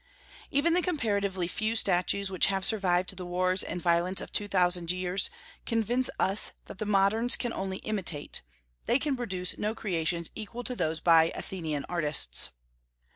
Even the comparatively few statues which have survived the wars and violence of two thousand years, convince us that the moderns can only imitate; they can produce no creations equal to those by Athenian artists.